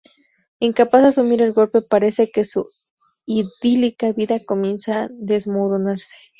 Incapaz de asumir el golpe, parece que su idílica vida comienza a desmoronarse.